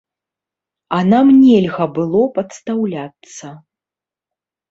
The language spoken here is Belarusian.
А нам нельга было падстаўляцца.